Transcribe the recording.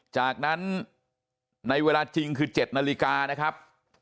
จากนั้นในเวลาจริงคือ๗นาฬิกานะครับ